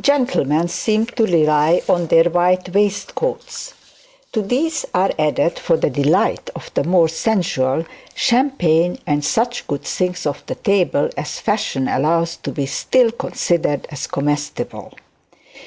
Gentlemen seem to rely on their white waistcoats. To these are added, for the delight of the more sensual, champagne and such good things of the table as fashion allows to be still considered as comestible.